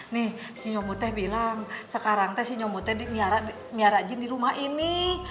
nih si nyomot teh bilang sekarang teh si nyomot teh niara jin di rumah ini